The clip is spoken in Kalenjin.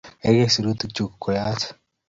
Kaikai, sirutik chug ko yach